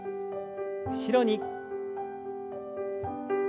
後ろに。